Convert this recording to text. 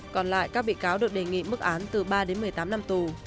còn lại các bị cáo được đề nghị mức án từ ba đến một mươi tám năm tù